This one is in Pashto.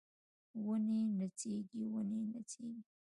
ونې نڅیږي ونې نڅیږي